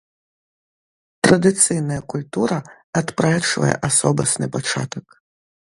Традыцыйная культура адпрэчвае асобасны пачатак.